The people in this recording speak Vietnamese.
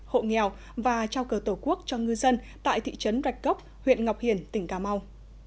hộ nghèo và trao cờ tổ quốc cho ngư dân tại thị trấn rạch gốc huyện ngọc hiển tỉnh cà mau